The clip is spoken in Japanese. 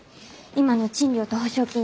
今の賃料と保証金じゃ。